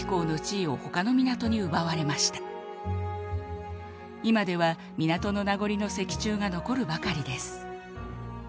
いまでは港の名残の石柱が残るばかりです。